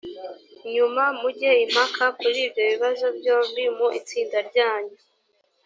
nyuma mujye impaka kuri ibyo bibazo byombi mu itsinda ryanyu